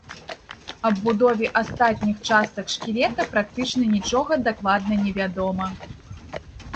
Аб будове астатніх частак шкілета практычна нічога дакладна невядома.